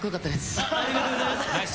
ありがとうございます。